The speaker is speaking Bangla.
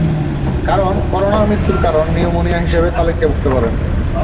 কারণ করোনার মৃত্যুর কারণ নিউমোনিয়া হিসেবে তালিকাভুক্ত করেন।